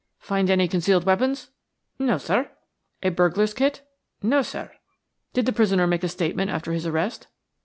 "Find any concealed weapons?" "No, sir." "A burglar's kit?" "No, sir." "Did the prisoner make a statement after his arrest?"